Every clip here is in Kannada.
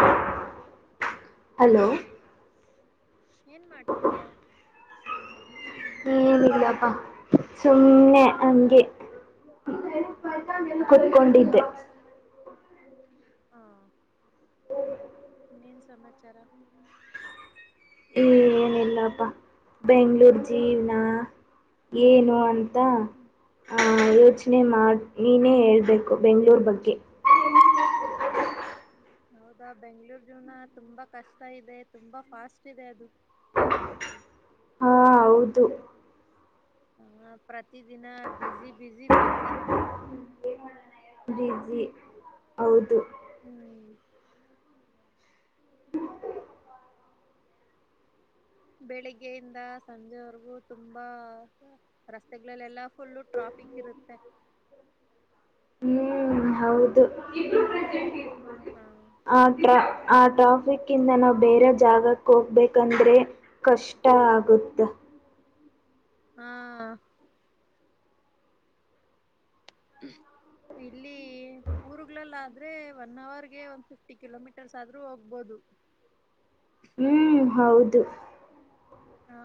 ಹಲೋ ಹಲೋ ಏನ್ ಮಾಡ್ತಿದ್ಯಾ ಏನಿಲ್ಲಪ್ಪ ಸುಮ್ಮ್ನೆ ಅಗೆ ಕುತ್ಕೊಂಡಿದ್ದೆ ಹಾ ಇನ್ನೇನು ಸಮಾಚಾರ ಏನಿಲ್ಲಪ್ಪ ಬೆಂಗ್ಳೂರು ಜೀವನ ಏನು ಅಂತ ಹ್ಮ್ ಅಂತ ಯೋಚನೆ ಹ್ಮ್ ಮಾಡಿ ನೀನೇ ಹೇಳ್ಬೇಕು ಬೆಂ್ಗಳೂರ್ ಬಗ್ಗೆ ಹೌದಾ ಬೆಂಗ್ಳೂರ್ ಜವನ ತುಂಬಾ ಕಷ್ಟ ಇದೆ ತುಂಬಾ ಫಾಸ್ಟ್ ಇದೆ ಅದು ಹಾ ಹೌದು ಹ ಪ್ರತಿಿದಿನ ಬಿಝಿ ಬಿಿಸಿಿ ಬಿಿಸಿಿ ಬಜಿ ಹೌದು ಹ್ಮ್ ಬೆಳಿಗ್ಗೆಯಿಂದ ಸಂಜೆವರೆಗೂ ತುಂಬಾ ರಸ್ತೆಗಳಲ್ಲೆಲ್ಲಾ ಫುಲ್ ಟ್ರಾಫಿ ತಪ್ಪಿಕ್ರತ್ತ ಹ್ಮ್ ಹೌದು ಹ ಆಥ ಆ ಟ್ರಾಫಿಕ್ ಇಿಂದ ನಾವು ಬೇರೆ ಜಾಗಕ್ಕೆ ಹೋಗ್ಬೇಕಂದ್ರೆ ಕಷ್ಟ ಆಗುತ್ತ ಹ್ಮ ಹ್ಮ ಇಲ್ಲಿ ಊರ್ಗಳಲ್ಲ ಆದ್ರೆ ಒನ್ ಅವರ್ಗೆ ಒಂದ್ ಫಿಫ್ಟಿ ಕಿಲೋಮೀಟರ್ಸ್ ಆದ್ರೂ ಹೋಗ್ಬೋದು ಹ್ಮ್ ಹೌದು ಹಾ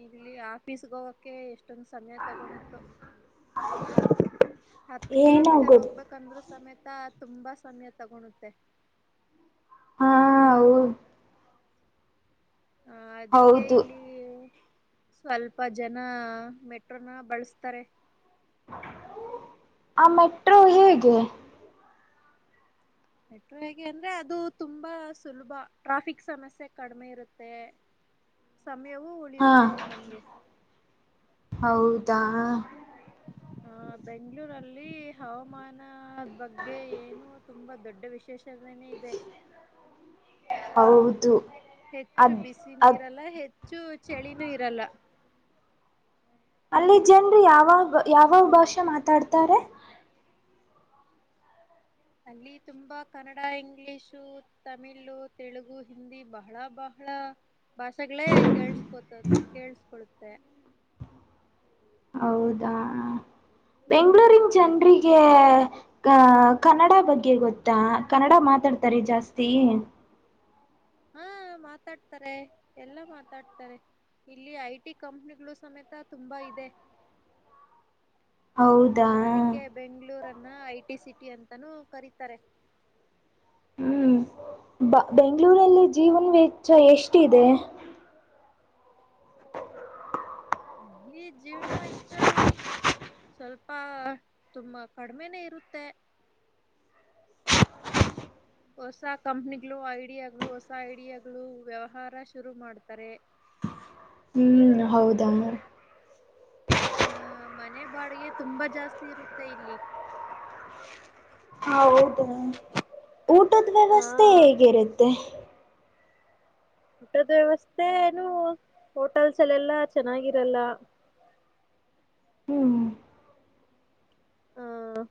ಇಲ್ಲಿ ಆಫೀಸ್ಗೆ ಹೋಗಕ ಎಷ್ಟೊಂದು ಸಮಯ ತಗಳತ್ತು ಹತ್ತು ಏನೋ ಕಿಲೋಮೀಟರ್ ಗೊತ್ತ ಹೋಗ್ಬೇಕಂದ್ರರು ಸಮೇತ ತ್ತಾ ತುಂಬಾ ಸಮಯ ತಗೊಳ್ಳುತ್ತೆ ಹಾ ಹೌದು ಹ ಅದಕ್ಕೆ ಹೌದು ಇಲ್ಲಿ ಸ್ವಲ್ಪ ಜನ ಮೆಟ್ರೋನ ಬಳಸ್ತಾರೆ ಆ ಮೆಟ್ರೋ ಹೇಗೆ ಮೆಟ್ರೋ ಹೇಗೆ ಅಂದ್ರೆ ಅದು ತುಂಬಾ ಸುಲಭ ಟ್ರಾಫಿಕ್ ಸಮಸ್ಯೆ ಕಡಿಮೆ ಇರುತ್ತೆ ಸಮಯವೂ ಹಾ ಉಳಿಯುತ್ತೆ ನಮ್ಗೆ ಹೌದಾ ಹ ಬೆಂಗಳೂರಲ್ಲಿ ಅವಮಾನ ಬಗ್ಗೆ ಏನು ತುಂಬಾ ದೊಡ್ಡ ವಿಶೇಷನ ಇದೆ ಹೌದು ಹೆಚ್ಚು ಅದ್ ಬಿಸಿನು ಅದ್ ಇರಲ್ಲ ಹೆಚ್ಚು ಚಳಿನೂ ಇರಲ್ಲ ಅಲ್ಲಿ ಜನ್ರು ಯಾವಾಗ ಯಾವ ಭಾಷೆ ಮಾತಾಡ್ತಾರೆ [unintelligible] ಅಲ್ಲಿ ತುಂಬಾ ಕನ್ನಡ ಇಂಗ್ಲಿಷು ತಮಿಳ ತೆಲುಗು ಹಿಂದಿ ಬಹಳ ಬಹ ಬಳ ಭಾಷೆಗಳೇ ಕೇಳ್ಸ್ಕೋತ ಕೇೇಳಸ್ಕೊೊಳ್ಳುತ್ತೆ ಹೌದಾ ಆ ಬೆಂಗಳೂರಿನ ಜನರಿಗೆ ಅ ಕನ್ನಡ ಬಗ್ಗೆ ಗೊತ್ತಾ ಕನ್ನಡ ಮಾತಾಡ್ತಾರೆ ಜಾಸ್ತಿ ಹಾ ಮಾತಾಡ್ತಾರೆ ಎಲ್ಲಾ ಮಾತಾಡ್ತಾರೆ ಇಲ್ಲಿ ಐ ಟಿ ಕಂಪನಿಗಳು ಸಮೇತ ತುಂಬಾ ಇದೆ ಹೌದಾ ಅದಕ್ಕೆ ಬೆಂಗಳೂರನ್ನ ಐ ಟಿ ಸಿಟ ಅಂತಾನೂ ಕರೀತಾರೆ ಹ್ಮ್ ಬ ಬೆಂಗ್ಗಳೂರಲ್ಲಿ ಜೀವನ ವೆಚ್ಚ ಎಷ್ಟಿದೆ ಈ ಜೀವನ ವಚ್ಚ ಸ್ವಲ್ಪ ತುಂಬಾ ಕಡಿಮೆನೇ ಇರುತ್ತೆ ಹೊಸ ಕಂಪನಿಗಳು ಐಡಿಯಾಗಳು ಹೊಸ ಐಡಿಯಾಗಳು ವ್ಯವಹಾರ ಶುರು ಮಾಡ್ತಾರೆ [unintelligible] ಹ್ಮ್ ಹೌದಮ್ಮ ಹಹ ಮನೆ ಬಾಡಿಗೆ ತುಂಬಾ ಜಾಸ್ತಿ ಇರುತ್ತೆ ಇಲ್ಲಿ ಹೌದ ಊಟದ ಹಾ ವ್ಯವಸ್ಥೆ ಹೇಗಿರುತ್ತೆ ಊಟದ ವ್ಯವಸ್ಥೆನು ಹೋಟೆಲ್ಸ್ ಅಲ್ಲೆಲ್ಲಾ ಚೆನ್ನಾಗಿರಲ್ಲ ಹ್ಮ್ ಹ್ಮ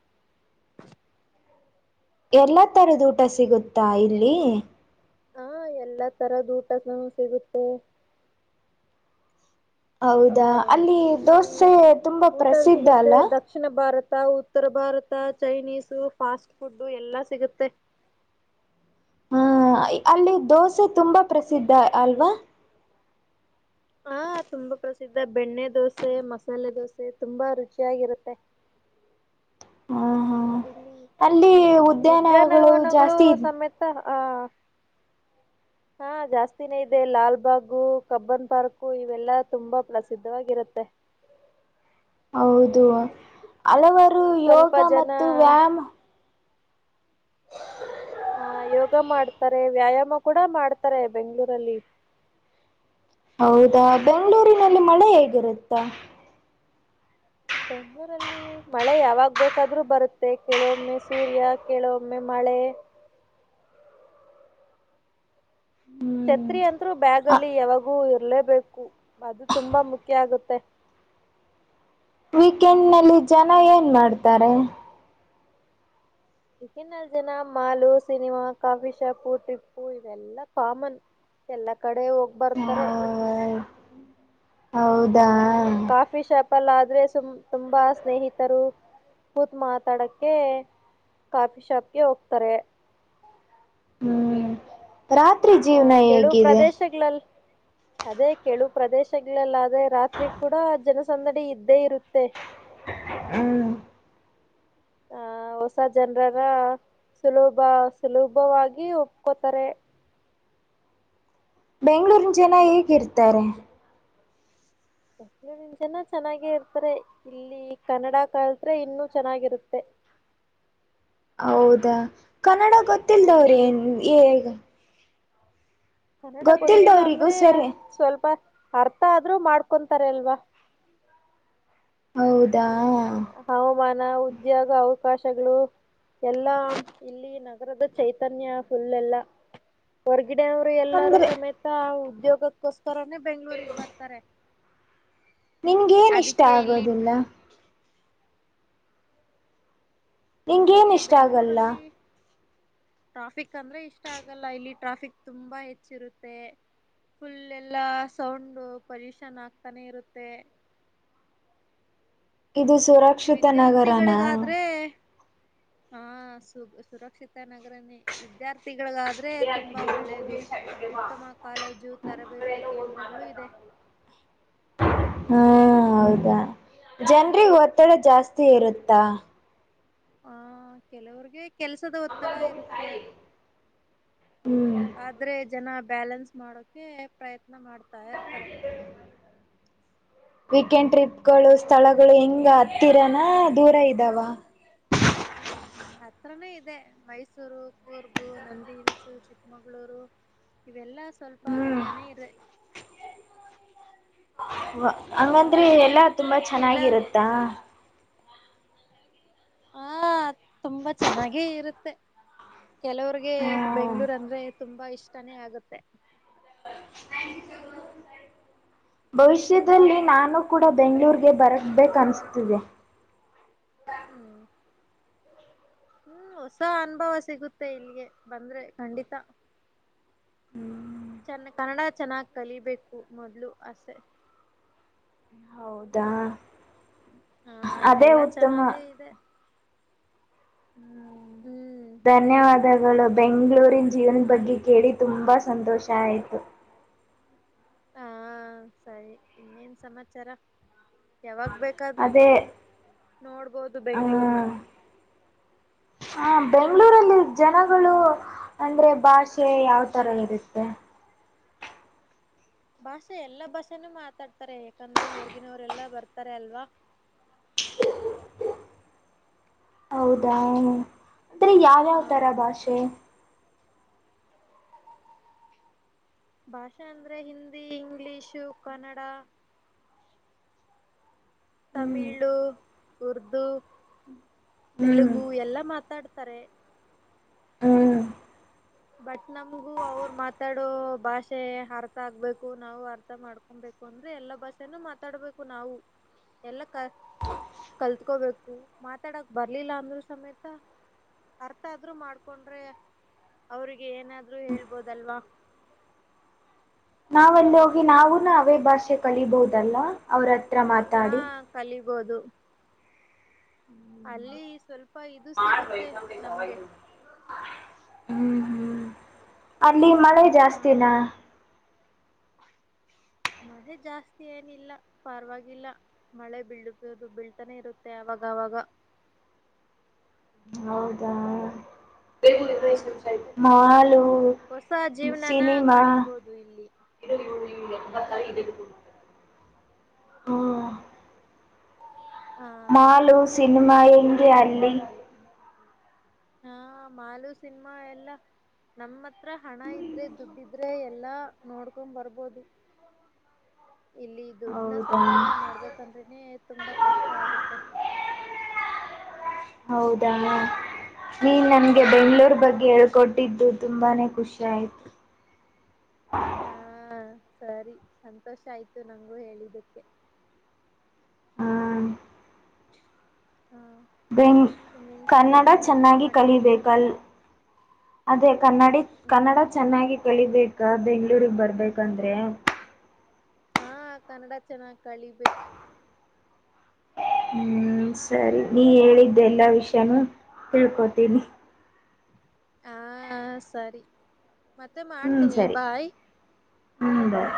ಎಲ್ಲ ತರದ ಊಟ ಸಿಗುತ್ತಾ ಇಲ್ಲಿ ಹಾ ಎಲ್ಲಾ ತರದ ಊಟ ನವು ಸಿಗುತ್ತೆ ಅವ ಹೌದಾ ಅಲ್ಲಿ ಇಲ್ಲಿ ದೋಸೆ ತುಂಬಾ ಊಟನು ಪ್ರಸಿದ್ಧ ಸಿಗುತ್ತೆ ಅಲ್ಲ ದಕ್ಷಿಣ ಭಾರತ ಉತ್ತರ ಭಾರತ ಚೈನೀಸು ಫಾಸ್ಟ್ ಫುಡ್ಡು ಎಲ್ಲಾ ಸಿಗುತ್ತೆ ಹ್ಮ ಅಲ್ಲಿ ದೋಸೆ ತುಂಬಾ ಪ್ರಸಿದ್ಧ ಅಲ್ವಾ ಹಾ ತುಂಬಾ ಪ್ರಸಿದ್ಧ ಬೆಣ್ಣೆ ದೋಸೆ ಮಸಾಲೆ ದೋಸೆ ತುಂಬಾ ರುಚಿಯಾಗಿರುತ್ತೆ [unintelligible] ಹ ಹಾ ಇಲ್ಲಿ ಅಲ್ಲಿ ಉದ್ಯಾನಗಳು ಉದ್ಯಾನವನಗಳು ಜಾಸ್ತಿ ಇದ್ ಸಮೇತ [unintelligible] ಹಾ ಜಾಸ್ತಿನೇ ಇದೆ ಲಾಲ್ಬಾಗು ಕಬ್ಬನ್ ಪಾರ್ಕು ಇವೆಲ್ಲಾ ತುಂಬಾ ಪ್ರಸಿದ್ಧವಾಗಿರುತ್ತೆ [unintelligible] ಹೌದು ಹಲವರುು ಸ್ವಲ್ಪ ಯೋಗ ಜನ ಮತ್ತು ವ್ಯಾಮ್ ಹ ಹ ಯೋಗ ಮಾಡ್ತಾರೆ ವ್ಯಾಯಾಮ ಕೂಡ ಮಾಡ್ತಾರೆ ಬೆಂಗ್ಳೂರಲ್ಲಿ [unintelligible] ಹೌದಾ ಬೆಂಗಳೂರಿನಲ್ಲಿ ಮಳೆ ಹೇಗಿರುತ್ತೆ ಬೆಂಗ್ಗಳೂರಲ್ಲಿ ಮಳೆ ಯಾವಾಗ್ ಬೇಕಾದ್ರರು ಬರುತ್ತೆ ಕೆಲವೊಮ್ಮೆ ಸೂರ್ಯ ಕೆಲವೊಮ್ಮೆ ಮಳೆ ಹೇ ಹ್ಮ್ ಛತ್ರಿ ಅಂದ್ರು ಬ್ಯಾಗಲ್ಲಿ ಯಾವಾಗೂ ಇರ್ಲೇಬೇಕು ಅದು ತುಂಬಾ ಮುಖ್ಯ ಆಗುತ್ತೆ [inaudible] ವೀಕೆಂಡ್ನಲ್ಲಿ ಜನ ಏನ್ ಮಾಡ್ತಾರೆ ಈಗನ್ಲ್ ಜನ ಮಾಲು ಸಿನಿಮಾ ಕಾಫಿ ಶಾಪು ಟಿಪ್ಪು ಇವೆಲ್ಲಾ ಕಾಮನ್ ಎಲ್ಲಾ ಕಡೆ ಹೋಗ್ ಬರ್ತಾರೆ ಹ ಹೌದಾ ತಪ್ಪಲ್ಲ ಆದ್ರೆ ಸುಮ್ ತುಂಬಾ ಸ್ನೇಹಿತರು ಕೂತ್ ಮಾತಾಡಕ್ಕೆ ಕಾಫಿ ಶಾಪ್ಗೆ ಹೋಗ್ತಾರೆ ಹ್ಮ್ ರಾತ್ರಿ ಹ ಜೀವನ ಕೆಳು ಹೇಗಿದೆ ಪ್ರದೇಶಲ್ ಅದೇ ಕೆಳು ಪ್ರದೇಶಗಳಲ್ಲಾದ್ರೆ ರಾತ್ರಿ ಕೂಡ ಜನಸಂದಡಿ ಇದ್ದೇ ಇರುತ್ತೆ ಹ್ಮ್ ಹ ಹೊಸ ಜನರಾರ ಸುಲಭ ಸುಲಭವಾಗಿ ಒಪ್ಕೋತಾರೆ ಬೆಂಗ್ಳೂರಿನ ಜನ ಹೇಗಿರ್ತಾರೆ ಎೂರಿ ಜನ ಚೆನ್ನಾಗೆ ಇರ್ತಾರೆ ಇಲ್ಲಿ ಕನ್ನಡ ಕಲ್ದ್ರೆ ಇನ್ನುೂ ಚೆನ್ನಾಗಿರುತ್ತೆ [inaudible] ಹೌದಾ ಕನ್ನಡ ಆ ಗೊತ್ತಿಲ್ದವ್ರು ಇಲ್ಲಿ ಏನು ಎನ್. ಕನ್ನಡ ಗೊತ್ತಿಲ್ಲ ಗೊತ್ತಿಲ್ದವ್ರಿಗೂ ಅಂದ್ರೆ ಸರಿ ಸ್ವಲ್ಪ, ಅರ್ಥ ಆದ್ರೂ ಮಾಡ್ಕೊಂತಾರೆ ಅಲ್ವಾ. ಹೌದು ಹವಾಮಾನ ಉದ್ಯೋಗ ಅವು. ಅವಕಾಶಗಳು ಎಲ್ಲಾ ಇಲ್ಲಿ ನಗರದ ಚೈತನ್ಯ ಫುಲ್ ಎಲ್ಲ ವರ್ಗ ಗಿಡವರು ಎಲ್ಲರೂ ಅಂದ್ರೆ ಸಮೇತ ಉದ್ಯೋಗಕ್ಕೋಸ್ಕರನೇ ಬೆಂಗಳೂರಿಗೆ ಬರ್ತಾರೆ. ನಿನ್ಗೇನ್ ಇಷ್ಟ ಅದಕ್ಕೆ ಇಲ್ಲಿ ಆಗೋದಿಲ್ಲ. ನಿಂಗ್ ಏನ್ ನಂಗೆ ಇಷ್ಟ ಆಗಲ್ಲ. ಬೆಂಗ್ಳೂರಲ್ಲಿ ಟ್ರಾಫಿಕ್ ಅಂದ್ರೆ ಇಷ್ಟ ಆಗಲ್ಲ ಇಲ್ಲಿ ಟ್ರಾಫಿಕ್ ತುಂಬಾ ಹೆಚ್ಚಿರುತ್ತೆ. ಫುಲ್ ಎಲ್ಲಾ ಸೌಂಡ್ ಪೊಲ್ಲ್ಯೂಷನ್ ಆಗ್ತಾನೆ ಇರುತ್ತೆ. ಇದು ಸುರಕ್ಷಿತ ನಗರನಾ. ವಿದ್ಯಾರ್ಥಿಗಳಿಗಾದ್ರೆ ಹಾ ಸು ಸುರಕ್ಷಿತ ನಗರ ವಿದ್ಯಾರ್ಥಿ ತಿಗಳಲ್ಲಾದ್ರೆ ತುಂಬಾ ಒಳ್ಳೇದು ಉತ್ತಮ ಕಾಲೇಜು ತರಬೇತಿ ಕೇಂದ್ರಗಳು ಇದೆ. [inaudible] ಹಾ ಹೌದಾ ಜನರಿಗೆ ಒತ್ತಡ ಜಾಸ್ತಿ ಇರುತ್ತಾ. ಹ ಕೆಲವರಿಗೆ, ಕೆಲಸದ ಒತ್ತಡ ಇರುತ್ತೆ ಹ್ಮ್ ಆದ್ರೆ ಜನ, ಬ್ಯಾಲೆನ್ಸ್ ಮಾಡೋಕೆ ಪ್ರಯತ್ನ ಮಾಡ್ತಾ ಇರ್ತಾರೆ. ವೀಕೆಂಡ್ ಟ್ರಿಪ್ ಗಳು ಸ್ಥಳಗಳು ಹೆಂಗ ಹತ್ತಿರನಾ ದೂರ ಇದಾವ. [inaudible] ಹತ್ರನೇ ಇದೆ ಮೈಸೂರು, ಕೂರ್ಗು, ನಂದಿ ಹಿಲ್ಸ್, ಚಿಕ್ಕಮಗಳೂರು. ಇವೆಲ್ಲ ಸ್ವಲ್ಪ ಹ್ಮ್ ಹತ್ತನೇ ಇರೇ ಹಂಗಂದ್ರೆ ಎಲ್ಲಾ ತುಂಬಾ ಕೆಲ ಚೆನ್ನಾಗಿರುತ್ತಾ. ಹ ತುಂಬಾ ಚೆನ್ನಾಗೇ ಇರುತ್ತೆ. ಕೆಲವರಿಗೆ ಹ್ಮ್ ಬೆಂಗಳೂರು ಅಂದ್ರೆ ತುಂಬಾ ಇಷ್ಟಾನೇ ಆಗುತ್ತೆ. [inaudible] ಭವಿಷ್ಯದಲ್ಲಿ ನಾನು ಕೂಡ ಬೆಂಗಳೂರಿಗೆ ಬರಬೇಕು ಅನಿಸ್ತಿದೆ. ಹ್ಮ್ ಹ್ಮ್ ಹೊಸ ಅನುಭವ ಸಿಗುತ್ತೆ ಇಲ್ಲಿಗೆ ಬಂದ್ರೆ ಖಂಡಿತ. ಹ್ಮ್ ಚನ್ನ ಕನ್ನಡ, ಚೆನ್ನಾಗಿ ಕಲಿಬೇಕು ಮೊದ್ಲು ಆಸೆ. ಹೌದಾ ಹಾ ಇಲ್ಲೆ ಅದೇ ಎಲ್ಲಾ ಉತ್ತಮ ಚೆನ್ನಾಗೆ ಇದೆ. ಹ್ಮ ಹ್ಮ್ ಧನ್ಯವಾದಗಳು ಬೆಂಗ್ಗಳೂರಿನ ಜೀವನ್ ಬಗ್ಗೆ ಕೇಳಿ ತುಂಬ ಸಂತೋಷ ಆಯಿತು. ಹಾ ಸರಿ ಇನ್ನೇನ್ ಸಮಾಚಾರ. ಯಾವಾಗ ಬೇಕಾದ್ರು ಬಾ ಅದೇ ನೋಡ್ಬೋದು ಬೆಂಗಳೂರಿನ. ಹಾ ಬೆಂಗಳೂರಲ್ಲಿ ಜನಗಳು, ಅಂದ್ರೆ ಭಾಷೆ ಯಾವ್ ತರ ಇರುತ್ತೆ. ಭಾಷೆ ಎಲ್ಲಾ ಭಾಷೆನೂ ಮಾತಾಡ್ತಾರೆ ಯಾಕಂದ್ರೆ ಹೊರಗಿನವರೆಲ್ಲ ಬರ್ತಾರೆ ಅಲ್ವಾ [unintelligible] ಹೌದಾ ಅಂದ್ರರೆ ಯಾವ್ಯಾವ ಆ ತರ ಭಾಷೆ. ಭಾಷೆ ಅಂದ್ರೆ ಹಿಂದಿ ಇಂಗ್ಲಿಷು ಕನ್ನಡ. ಹ್ಮ್ ತಮಿಳು ಉರ್ದು ಹ್ಮ್ ತೆಲುಗು ಎಲ್ಲಾ ಮಾತಾಡ್ ತರೆ ಹ್ಮ್ ಬಟ್ ನಮಗು ಅವ್ರ ಮಾತಾಡೋ ಭಾಷೆ ಅರ್ಥ ಆಗ್ಬೇಕು ನಾವು ಅರ್ಥ ಮಾಡ್ಕೊಬೇಕು ಅಂದ್ರೆ ಎಲ್ಲಾ ಬಸ್ಸನ್ನು ಮಾತಾಡ್ಬೇಕು ನಾವು ಎಲ್ಲ ಕ ಕಲ್ತ್ಕೋಬೇಕು ಮಾತಾಡಕ್ ಬರ್ಲಿಲ್ಲ ಅಂದ್ರು ಸಮೇತ ಅರ್ಥ ಆದ್ರರು ಮಾಡ್ಕೊಂಡ್ರೆ ಅವ್ರಿಗೆ ಏನಾದ್ರರು ಹೇಳ್ಬೋದಲ್ವಾ ನಾವಲ್ಲಿ ಹೋಗಿ ನಾವುೂನು ಅವೇ ಭಾಷೆ ಕಲಿೀಬಹುದಲ್ಲ ಅವ್ರತ್ರ ಮಾತಾಡಿ ಆಗೋದು ಅಲ್ಲಿ ಸ್ವಲ್ಪ ಇದು ಸಿಗುತ್ತೆ ನಮ್ಗೆ ಹ್ಮ್ ಹ್ಮ್ ಅಲ್ಲಿ ಮಳೆ ಆ ಜಾಸ್ತಿನ ಮಳೆ ಜಾಸ್ತಿ ಏನಿಲ್ಲ ಪಾರವಾಗಿಲ್ಲ ಮಳೆ ಬೀಳ್ುದು ಬಳ್ತಾನೆ ಇರುತ್ತೆ ಅವಾಗ ಾವಾಗ [inaudible] ಹೌದಾ ಬೆ ಆ ಮಾಲು ಹೊಸ ಜೀವನನ ಸಿನಿಮಾ ಕಳಿಬೋದು ಇಲ್ಲಿ ಇತ ಇದಕ್ಕೆ ಹ್ಮ [inaudible] ಆ ಮಾಲು ಸಿನಿಮ ಎಂಂಗಗೆ ಅಲ್ಲಿ ಹಾ ಮಾಲು ಸಿನ್ಮಾ ಎಲ್ಲಾ ನಮ್ಮ ಹತ್ರ ಹಣ ಇದ್ರೆ ದುಡ್ಡಿದ್ರೆ ಎಲ್ಲಾ ನೋಡ್ಕೊಂಡ್ ಬರ್ಬೋದು ಇಲ್ಲಿ ದುಡ್ನ ಹೌದಾ ಸಂಪಾದನೆ ಮಾಡ್ಬೇಕು ಬಂದ್ರನೇ ತುಂಬಾ ಕಷ್ಟ ಆಗುತ್ತೆ ಹೌದಣ್ಣ ನೀನ್ ಹ ನನ್ಗೆ ಬೆಂಗ್ಳೂರ್ ಬಗ್ಗೆ ಹೇಳ್ಕೊಟ್ ಬಿಟ್ಟಿದ್ದು ತುಂಬಾನೇ ಖುಷಿ ಆಾಯ್ತು ಹಾ ಸರಿ ಸಂತೋಷ ಆಯ್ತು ನಂಗಂಗೂ ಹೇಳಿದ್ದಕ್ಕೆ ಹಾ ಹಾ ಬೆಂಗ ಇನ್ನೇನ್ ಕನ್ನಡ ಸಮಾಚಾರ ಏನ್ ಚೆನ್ನಾಗಿ ಮಾಡ್ತಿದ್ದೀರಾ ಕಲಿೀಬೇಕಲ್ ಅದೇ ಕನ್ನಡಿ ಕನ್ನಡ ಹ್ಮ್ ಚೆನ್ನಾಗಿ ಕಲಿಬೇಕ್ ಅ ಬೆಂಗಗಳೂಗ್ ಬರ್ಬೇಕಂದ್ರೆ ಹಾ ಕನ್ನಡ ಚೆನ್ನಾಗಾಗಿ ಕಳಿಬೇಕು ಹ್ಮ್ ಸರಿ ನೀ ಹೇಳಿದ್ದೆ ಎಲ್ಲಾ ವಿಷಯಾನೂ ತಿಳ್ಕೋತೀನಿ ಹಾ ಸರಿ ಮತ್ತೆ ಹ್ಮ್ ಮಾಡ್ತೀನಿ ಸರಿ ಬಾಯ್ ಹ್ಮ್ ಬಾಯ್